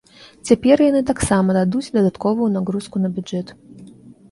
Цяпер яны таксама дадуць дадатковую нагрузку на бюджэт.